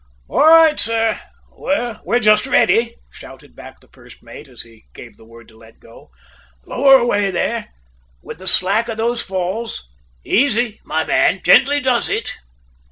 "All right, sir; we're just ready," shouted back the first mate as he gave the word to let go. "Lower away there with the slack of those falls. Easy, my man, gently does it!"